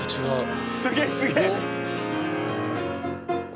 すげえすげえ！